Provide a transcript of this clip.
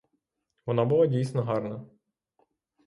Вона була дійсно гарна.